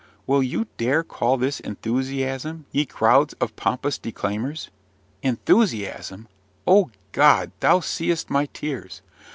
Will you dare call this enthusiasm, ye crowd of pompous declaimers? Enthusiasm! O God! thou seest my tears.